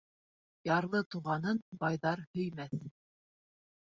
Ярлы туғанын байҙар һөймәҫ.